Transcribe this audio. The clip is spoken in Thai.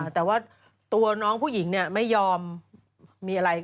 แต่ว่าตัวน้องผู้หญิงไม่ยอมมีอะไร